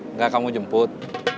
enggak kamu jemput